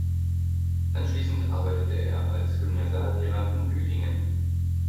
Anschließend arbeitete er als Gymnasiallehrer in Büdingen.